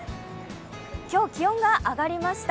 今日、気温が上がりました。